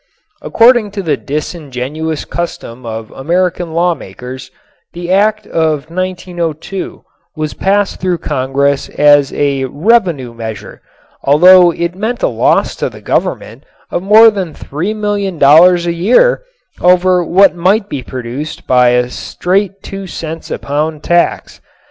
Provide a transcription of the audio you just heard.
According to the disingenuous custom of American lawmakers the Act of 1902 was passed through Congress as a "revenue measure," although it meant a loss to the Government of more than three million dollars a year over what might be produced by a straight two cents a pound tax.